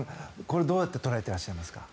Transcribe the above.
これ、どうやって捉えていらっしゃいますか。